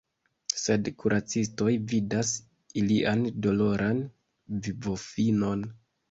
Sed kuracistoj vidas ilian doloran vivofinon.